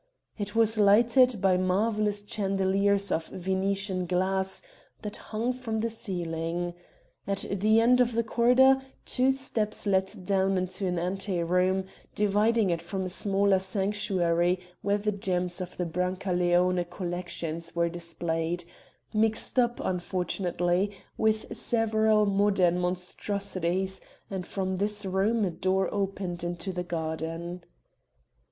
It was lighted by marvellous chandeliers of Venetian glass that hung from the ceiling. At the end of the corridor two steps led down into an anteroom, dividing it from a smaller sanctuary where the gems of the Brancaleone collection were displayed mixed up, unfortunately, with several modern monstrosities and from this room a door opened into the garden.